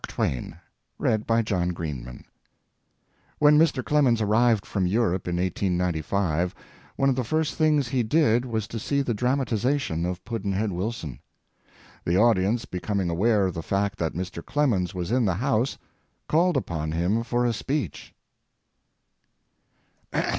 PUDD'NHEAD WILSON DRAMATIZED When Mr. Clemens arrived from Europe in 1895 one of the first things he did was to see the dramatization of Pudd'nhead Wilson. The audience becoming aware of the fact that Mr. Clemens was in the house called upon him for a speech.